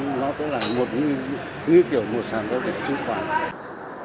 những nguyên kiểu mua sản giao dịch chứ không phải